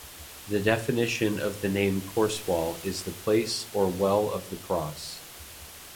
The definition of the name Corsewall is the place or well of the Cross.